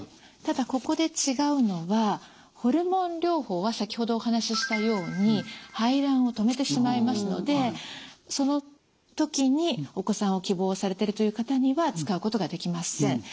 ただここで違うのはホルモン療法は先ほどお話ししたように排卵を止めてしまいますのでその時にお子さんを希望されているという方には使うことができません。